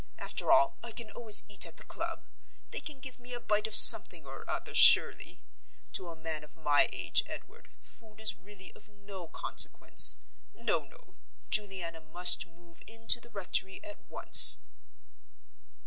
After all, I can always eat at the club; they can give me a bite of something or other, surely. To a man of my age, Edward, food is really of no consequence. No, no; Juliana must move into the rectory at once."